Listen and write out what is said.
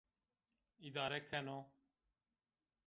Îdare keno